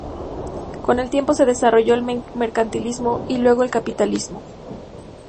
Con el tiempo se desarrolló el mercantilismo, y luego el capitalismo.